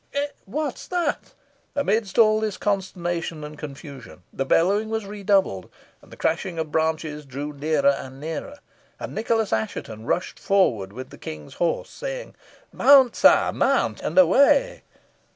"Eh! what's that?" Amidst all this consternation and confusion the bellowing was redoubled, and the crashing of branches drew nearer and nearer, and Nicholas Assheton rushed forward with the King's horse, saying, "Mount, sire; mount, and away!"